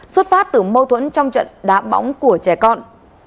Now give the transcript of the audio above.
xuất phát từ mâu thuẫn trong trận đá bóng của trẻ con